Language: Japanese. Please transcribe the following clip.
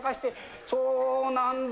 そうなんだ。